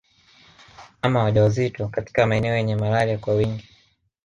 Mama wajawazito katika maeneo yenye malaria kwa wingi